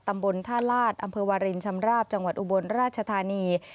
ตำบลท่าลาศอำเภอวารินชำราบจังหวัดอุบลราชธานี